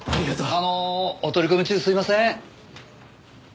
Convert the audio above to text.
あのお取り込み中すいません。